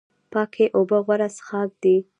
پاکې اوبه غوره څښاک دی